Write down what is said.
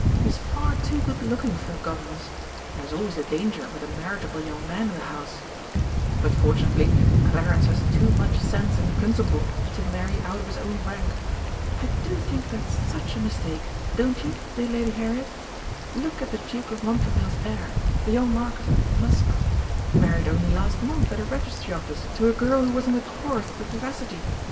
She's far too good looking for a governess, and there's always a danger with a marriageable young man in the house, but fortunately Clarence has too much sense and principle to marry out of his own rank. I do think that's such a mistake, don't you, dear Lady Harriet? Look at the Duke of Mountravail's heir, the young Marquis of Muscombe married only last month at a registry office to a girl who was in the chorus at the Vivacity!